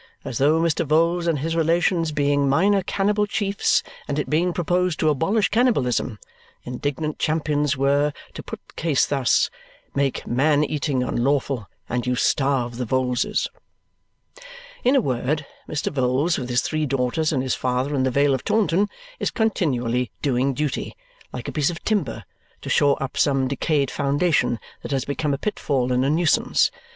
As though, Mr. Vholes and his relations being minor cannibal chiefs and it being proposed to abolish cannibalism, indignant champions were to put the case thus: Make man eating unlawful, and you starve the Vholeses! In a word, Mr. Vholes, with his three daughters and his father in the Vale of Taunton, is continually doing duty, like a piece of timber, to shore up some decayed foundation that has become a pitfall and a nuisance.